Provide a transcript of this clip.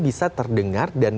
bisa terdengar dan